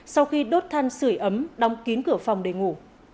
sau khi đốt than sửa ấm đóng kín cửa phòng để ngủ